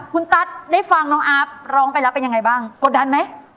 คุณตั๊ดได้ฟังน้องอาฟร้องไปแล้วเป็นยังไงบ้างกดดันไหม